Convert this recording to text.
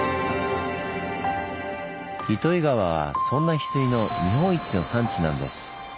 糸魚川はそんなヒスイの日本一の産地なんです。